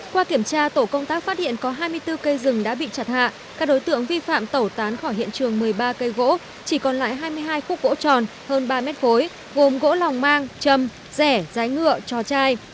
qua kiểm tra tổ công tác phát hiện có hai mươi bốn cây rừng đã bị chặt hạ các đối tượng vi phạm tẩu tán khỏi hiện trường một mươi ba cây gỗ chỉ còn lại hai mươi hai khúc gỗ tròn hơn ba mét khối gồm gỗ lòng mang châm rẻ rái ngựa trò chai